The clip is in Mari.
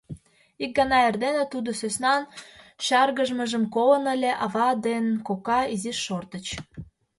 Ик гана эрдене тудо сӧснан чаргыжмыжым колын ыле, ава ден кока изиш шортыч.